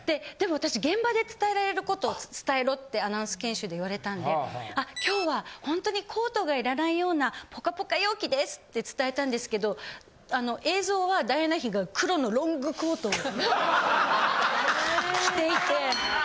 でも私現場で伝えられる事を伝えろってアナウンス研修で言われたんで「今日は本当にコートが要らないようなポカポカ陽気です」って伝えたんですけど映像はダイアナ妃が黒のロングコートを着ていて。